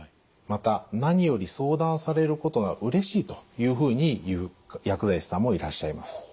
また何より相談されることがうれしいというふうに言う薬剤師さんもいらっしゃいます。